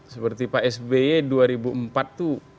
seperti pak sby dua ribu empat itu